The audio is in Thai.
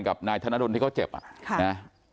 กับทนาดนท์ที่เขาเจ็บค่ะ